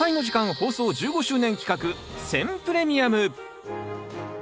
放送１５周年企画選プレミアム。